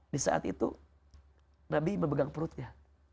di saat itu nabi memegang perutnya